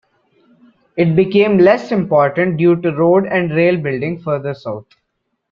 It became less important due to road and rail building further south.